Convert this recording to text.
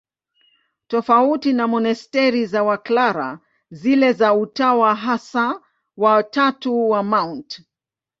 Tofauti na monasteri za Waklara, zile za Utawa Hasa wa Tatu wa Mt.